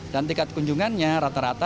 dan tingkat kunjungannya rata rata